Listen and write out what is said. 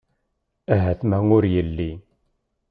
Ahat ma ur yelli.